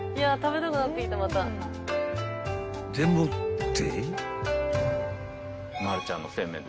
［でもって］